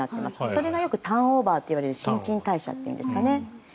それがよくターンオーバーといわれる新陳代謝というんですかね。